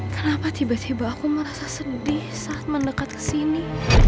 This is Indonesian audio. kenapa tiba tiba aku merasa sedih saat mendekat kesini